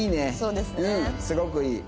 うんすごくいい。